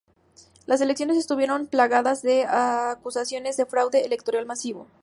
Las elecciones estuvieron plagadas de acusaciones de fraude electoral masivo.